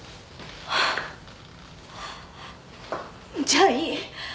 じゃあいい。